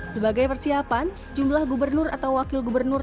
sebagai persiapan sejumlah gubernur atau wakil gubernur